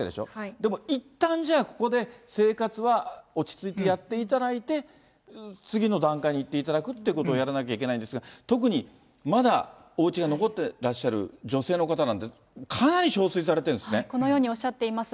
でもいったんじゃあ、ここで生活は落ち着いてやっていただいて、次の段階にいっていただくってことをやらなきゃいけないんですが、特にまだおうちが残ってらっしゃる女性の方なんてかなりしょうすこのようにおっしゃっています。